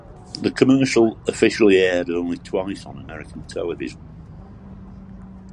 The commercial officially aired only twice on American television.